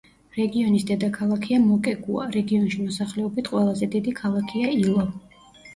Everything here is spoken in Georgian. რეგიონის დედაქალაქია მოკეგუა, რეგიონში მოსახლეობით ყველაზე დიდი ქალაქია ილო.